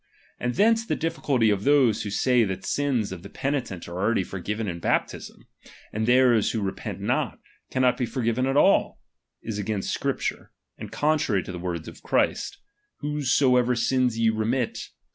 And thence the difficulty of those, who £ay that the sins of the penitent are already for , given in baptism, and their's who repent not, can ^i oiot be forgiven at all, is against Scripture, and* contrary to the words of Christ, whose soevet ■sins ye remit, &c.